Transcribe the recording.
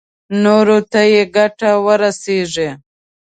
نورو ته يې ګټه ورسېږي.